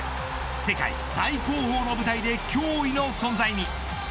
世界最高峰の舞台で脅威の存在に。